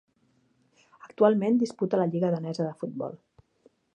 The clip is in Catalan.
Actualment disputa la Lliga danesa de futbol.